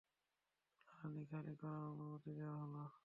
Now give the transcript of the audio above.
জ্বালানি খালি করার অনুমতি দেওয়া হলো।